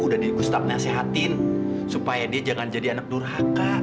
udah dwi gustaf nasehatin supaya dia jangan jadi anak nurhaka